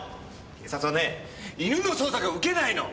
警察はね犬の捜索は受けないの。